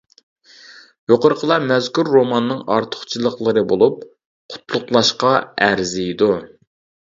يۇقىرىقىلار مەزكۇر روماننىڭ ئارتۇقچىلىقلىرى بولۇپ قۇتلۇقلاشقا ئەرزىيدۇ.